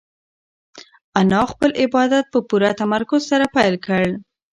انا خپل عبادت په پوره تمرکز سره پیل کړ.